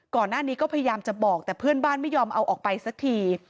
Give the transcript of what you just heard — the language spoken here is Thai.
ก่อนหน้านี้ก็พยายามจะบอกแต่เพื่อนบ้านไม่ยอมเอาออกไปสักที